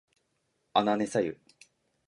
あなねさゆ